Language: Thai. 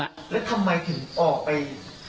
ห้าวิธีถึงออกไป